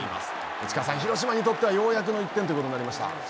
内川さん、広島にとってはようやく１点ということになりました。